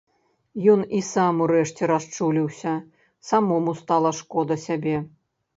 Ён і сам урэшце расчуліўся, самому стала шкода сябе.